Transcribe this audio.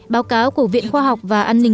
báo cáo của viện khoa học và an ninh